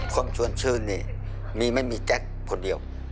คนชวนชื่นนี่มีไม่มีแจ็คคนเดียว